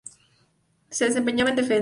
Se desempeñaba de defensa.